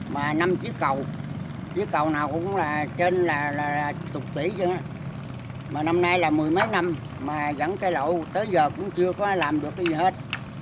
mà năm nay là mười mấy năm mà dẫn cây lộ tới giờ cũng chưa có làm được cái gì hết